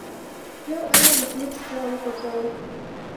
یو عرب له خولې څخه راوغورځاوه.